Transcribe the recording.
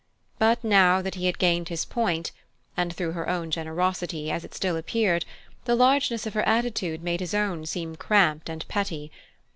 But now that he had gained his point and through her own generosity, as it still appeared the largeness of her attitude made his own seem cramped and petty.